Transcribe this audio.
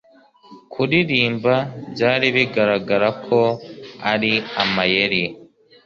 kuririmba byari bigaragara ko ari amayeri